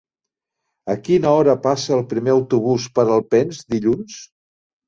A quina hora passa el primer autobús per Alpens dilluns?